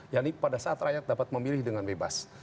yaitu pada saat rakyat dapat memilih dengan bebas